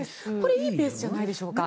いいペースじゃないでしょうか。